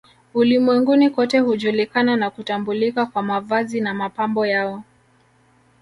Ulimwenguni kote hujulikana na kutambulika kwa mavazi na mapambo yao